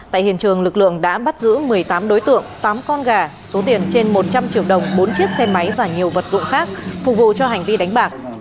tại hiện trường lực lượng đã bắt giữ một mươi tám đối tượng tám con gà số tiền trên một trăm linh triệu đồng bốn chiếc xe máy và nhiều vật dụng khác phục vụ cho hành vi đánh bạc